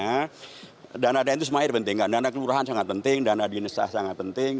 karena dana dana itu semuanya penting dana kelurahan sangat penting dana dina sah sangat penting